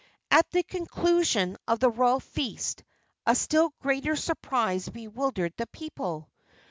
At the conclusion of the royal feast a still greater surprise bewildered the people.